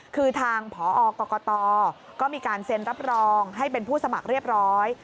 คือทางผอกรกตก็มีการเซ็นรับรองให้เป็นผู้สมัครเรียบร้อย